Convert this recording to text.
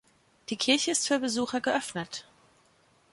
Die Kirche ist für Besucher geöffnet.